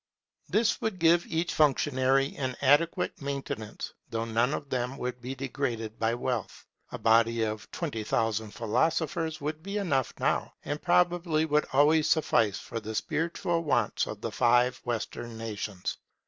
This would give each functionary an adequate maintenance, though none of them would be degraded by wealth. A body of twenty thousand philosophers would be enough now, and probably would always suffice, for the spiritual wants of the five Western nations.